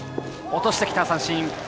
落としてきた、三振！